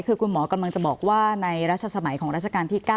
คือคุณหมอกำลังจะบอกว่าในรัชสมัยของราชการที่๙